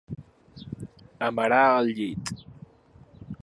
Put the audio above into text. Amarar el lli.